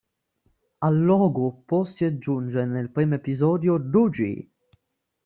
Al loro gruppo si aggiunge nel primo episodio Dougie.